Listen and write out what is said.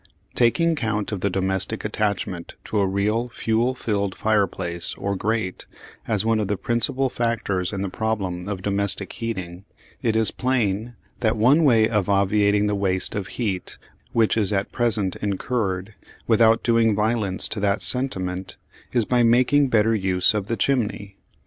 Taking count of the domestic attachment to a real fuel filled fireplace or grate as one of the principal factors in the problem of domestic heating, it is plain that one way of obviating the waste of heat which is at present incurred, without doing violence to that sentiment, is by making better use of the chimney.